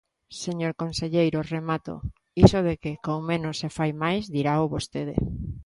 Señor conselleiro –remato–, iso de que con menos se fai máis, dirao vostede.